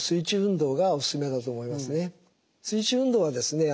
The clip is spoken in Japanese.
水中運動はですね